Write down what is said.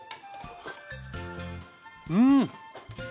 うん。